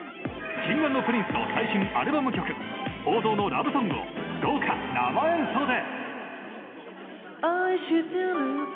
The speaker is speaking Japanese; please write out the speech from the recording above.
Ｋｉｎｇ＆Ｐｒｉｎｃｅの最新アルバム曲王道のラブソングを豪華生演奏で！